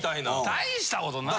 大したことないやろ。